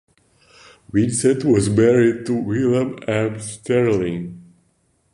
Vincent was married to William M. Sterling.